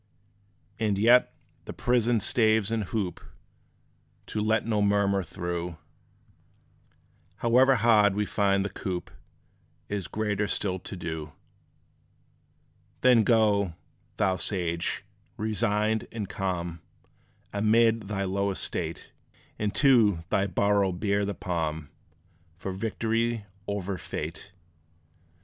And yet, the prison staves and hoop To let no murmur through, However hard we find the coop, Is greater still to do. Then go, thou sage, resigned and calm; Amid thy low estate, And to thy burrow bear the palm For victory over fate.